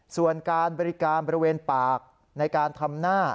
ส่วนการบริการบริเวณปากในการทำหน้า